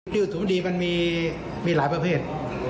นิ้วสูงดีมันมีหลายประเภท